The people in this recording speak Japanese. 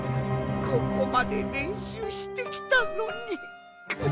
ここまでれんしゅうしてきたのに。